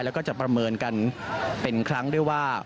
แล้วก็จะประเมินกันเป็นครั้งด้วยว่า